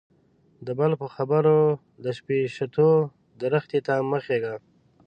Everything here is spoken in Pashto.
د بل په خبرو د شپيشتو درختي ته مه خيژه.